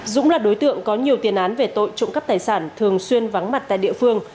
dũng là đối tượng có nhiều tiền án về tội trộm cắp tài sản thường xuyên vắng mặt tại địa phương